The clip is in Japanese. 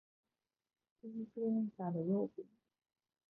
インフルエンサーの養分